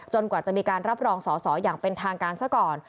กว่าจะมีการรับรองสอสออย่างเป็นทางการซะก่อน